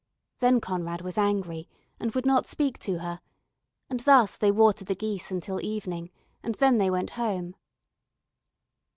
Then Conrad was angry, and would not speak to her, and thus they watered the geese until the evening, and then they went home.